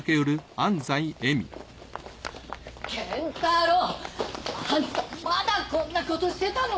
アンタまだこんなことしてたの！？